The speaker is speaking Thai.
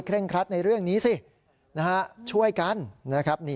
เคร่งครัดในเรื่องนี้สิช่วยกัน